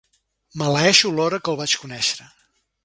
Maleeixo l'hora que el vaig conèixer.